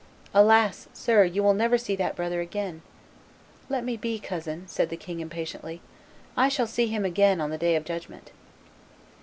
"Alas! sir, you will never see that brother again." "Let me be, cousin," said the king, impatiently; "I shall see him again on the day of judgment."